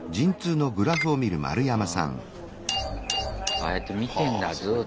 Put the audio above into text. ああやって見てんだずっと。